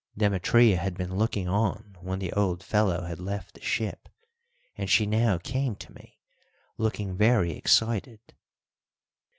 Demetria had been looking on when the old fellow had left the ship, and she now came to me looking very excited.